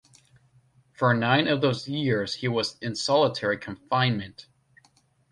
For nine of those years he was in solitary confinement.